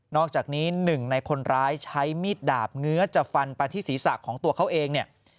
นอกจากนี้๑ในคนร้ายใช้มีดดาบเงื้อจากฟันประทิศีรษะของตัวเขาเอง